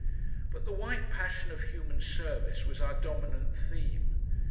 But the white passion of human service was our dominant theme.